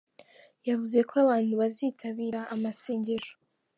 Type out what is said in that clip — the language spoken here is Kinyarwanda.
Yavuze ko abantu bazitabira amasengesho